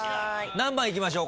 何番いきましょう？